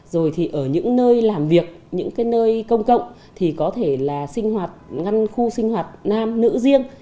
rồi thì ở những nơi làm việc những cái nơi công cộng thì có thể là sinh hoạt ngăn khu sinh hoạt nam nữ riêng